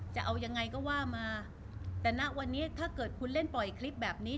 จะเอายังไงก็ว่ามาแต่ณวันนี้ถ้าเกิดคุณเล่นปล่อยคลิปแบบนี้